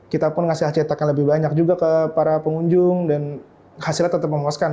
kita pun ngasih cetakan lebih banyak juga ke para pengunjung dan hasilnya tetep menguaskan